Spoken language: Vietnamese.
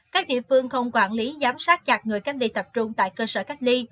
các địa phương không quản lý giám sát chặt người cách ly tập trung tại cơ sở cách ly